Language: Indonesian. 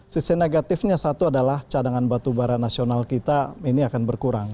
sisi negatifnya satu adalah cadangan batu bara nasional kita ini akan berkurang